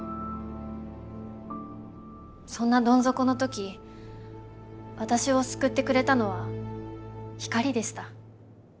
そんなどん底の時私を救ってくれたのは光でした。